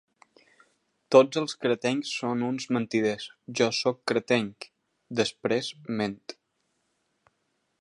Tots els cretencs són uns mentiders, jo sóc cretenc, després ment.